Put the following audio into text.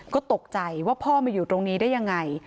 ก็ตกใจว่าพ่อมาอยู่ตรงนี้ได้ยังไง